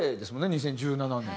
２０１７年。